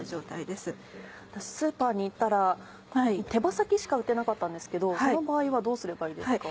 スーパーに行ったら手羽先しか売ってなかったんですけどその場合はどうすればいいですか？